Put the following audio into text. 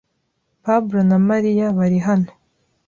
Pablo na María bari hano.